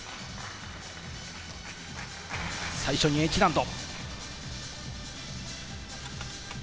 最初にＨ難度。